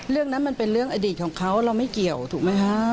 เรื่องนั้นมันเป็นเรื่องอดีตของเขาเราไม่เกี่ยวถูกไหมคะ